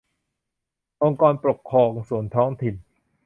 องค์กรปกครองส่วนท้องถิ่น